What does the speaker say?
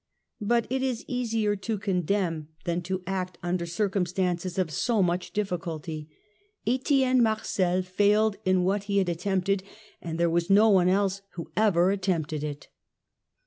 But it is easier to condemn than to act under cir 150 THE END OF THE MIDDLE AGE cumstances of so much difBculty. Etienne Marcel failed in what he had attempted, but there was no one else who even attempted it.